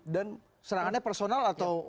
dan serangannya personal atau